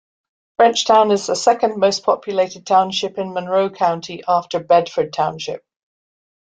Frenchtown is the second most-populated township in Monroe County after Bedford Township.